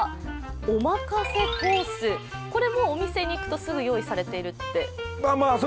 おまかせコース、これもお店に行くとすぐ用意されているって？